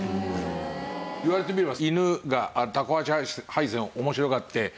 言われてみれば。